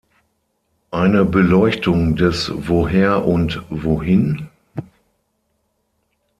Eine Beleuchtung des Woher und Wohin?